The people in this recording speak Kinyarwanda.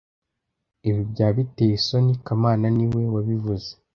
Ibi byaba biteye isoni kamana niwe wabivuze